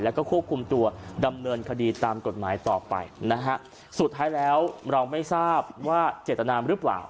แล้วก็ควบคุมตัวดำเนินคดีตามกฎหมายต่อไปนะฮะสุดท้ายแล้วเราไม่ทราบว่าเจตนาหรือเปล่า